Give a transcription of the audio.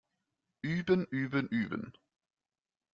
Üben, üben, üben!